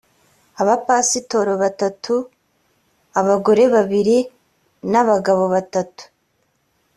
abapasitori batatu abagore babiri n ‘abagabo batatu.